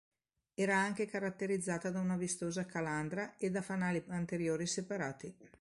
Era anche caratterizzata da una vistosa calandra e da fanali anteriori separati.